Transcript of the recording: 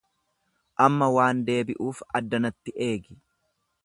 Amma waan deebi'uuf addanatti eegi.